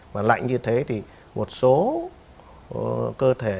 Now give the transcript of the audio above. mà lạnh như thế thì một số cơ thể